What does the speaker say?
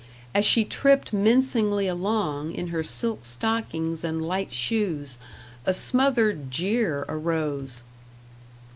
As she tripped mincingly along, in her silk stockings and light shoes, a smothered jeer arose.